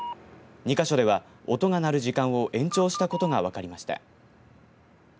２か所では音が鳴る時間を延長したことが分かりました。